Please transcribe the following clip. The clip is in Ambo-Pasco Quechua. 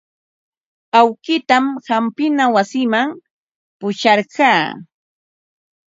Awkiitan hampina wasiman pusharqaa.